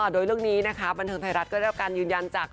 โดยเรื่องนี้นะคะบันเทิงไทยรัฐก็ได้รับการยืนยันจาก